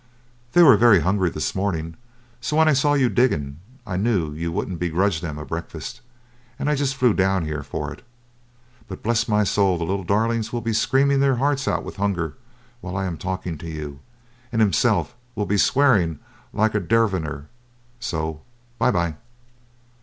They were very hungry this morning, so when I saw you digging I knew you wouldn't begrudge them a breakfast, and I just flew down here for it. But bless my soul, the little darlings will be screaming their hearts out with hunger while I am talking to you, and himself will be swearing like a Derviner. So, by by."